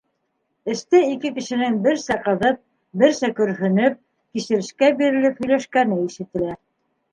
Эстә ике кешенең берсә ҡыҙып, берсә көрһөнөп, кисерешкә бирелеп һөйләшкәне ишетелә.